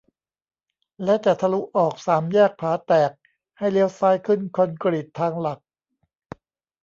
และจะทะลุออกสามแยกผาแตกให้เลี้ยวซ้ายขึ้นคอนกรีตทางหลัก